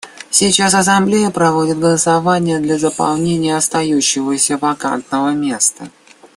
Сейчас Ассамблея проведет голосование для заполнения остающегося вакантного места.